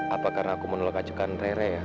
apa karena aku menolak ajukan rere ya